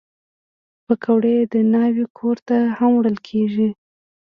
پکورې د ناوې کور ته هم وړل کېږي